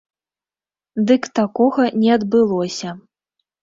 Дык такога не адбылося.